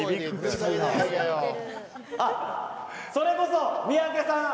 それこそ三宅さん。